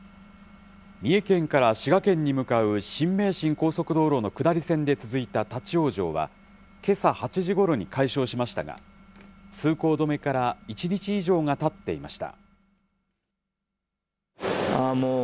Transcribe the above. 三重県から滋賀県に向かう新名神高速道路の下り線で続いた立往生はけさ８時ごろに解消しましたが、通行止めから１日以上がたっていました。